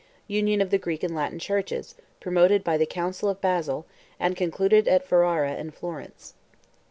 —Union Of The Greek And Latin Churches, Promoted By The Council Of Basil, And Concluded At Ferrara And Florence.